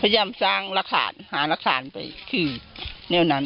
พยายามสร้างรัฐหานักฐานไปคือเรื่องนั้น